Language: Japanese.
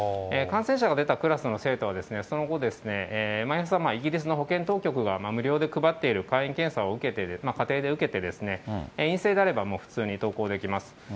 感染者が出たクラスの生徒は、その後、毎朝、イギリスの保健当局が無料で配っている簡易検査を家庭で受けて、陰性であれば、普通に登校できます。